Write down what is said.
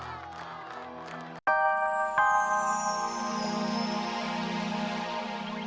sampai aku ngalahin dia